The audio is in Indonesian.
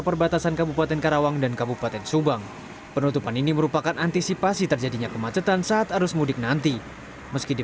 penutupan dilakukan untuk mengantisipasi terjadinya kemacetan saat arus mudik nanti